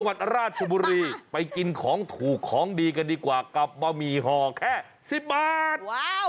วัดราชบุรีไปกินของถูกของดีกันดีกว่ากับบะหมี่ห่อแค่๑๐บาท